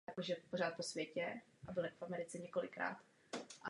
Zemědělství, zvláště v nových členských státech, zaznamenává úpadek.